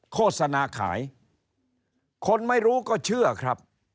คนไม่รู้ก็เชื่อครับ